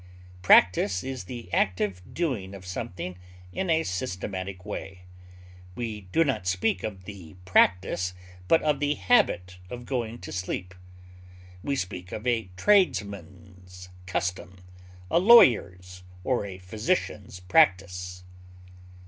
Practise is the active doing of something in a systematic way; we do not speak of the practise, but of the habit of going to sleep; we speak of a tradesman's custom, a lawyer's or a physician's practise.